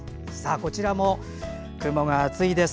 こちらも雲が厚いです。